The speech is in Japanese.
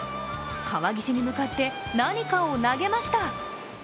河岸に向かって何かを投げました。